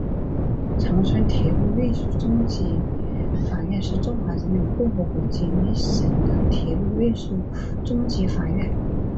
长春铁路运输中级法院是中华人民共和国吉林省的铁路运输中级法院。